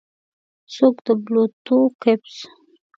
څوک د بلوطو کپس